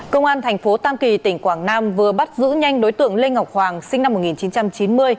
công an thành phố tam kỳ tỉnh quảng nam vừa bắt giữ nhanh đối tượng lê ngọc hoàng sinh năm một nghìn chín trăm chín mươi